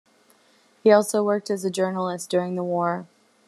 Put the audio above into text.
He also worked as a journalist during the war.